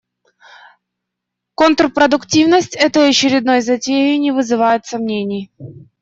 Контрпродуктивность этой очередной затеи не вызывает сомнений.